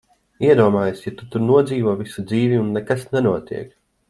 Iedomājies, ja tu tur nodzīvo visu dzīvi, un nekas nenotiek!